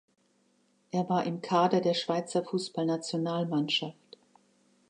Er war im Kader der Schweizer Fussballnationalmannschaft.